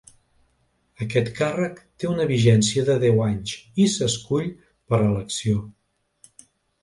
Aquest càrrec té una vigència de deu anys, i s’escull per elecció.